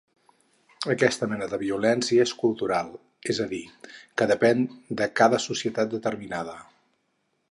Aquesta mena de violència és cultural, és a dir, que depèn de cada societat determinada.